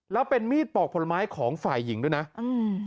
แล้วเป็นมีดปอกผลไม้ของฝ่ายหญิงด้วยนะอืม